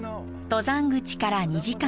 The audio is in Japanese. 登山口から２時間。